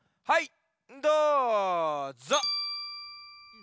はい！